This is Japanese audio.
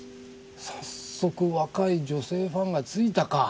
早速若い女性ファンがついたか。